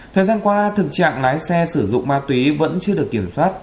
thời gian qua thực trạng lái xe sử dụng ma túy vẫn chưa được kiểm soát